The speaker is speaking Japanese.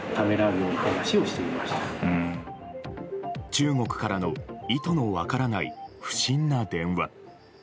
中国からの意図の分からない不審な電話。